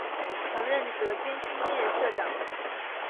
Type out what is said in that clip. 曾任德间书店社长。